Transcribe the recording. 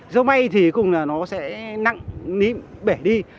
gió may thì cũng là nó sẽ nặng bể đi